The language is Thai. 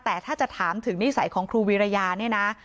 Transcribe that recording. แต่ถ้าจะถามถึงนิสัยของครูวีรยาเนี่ยนะ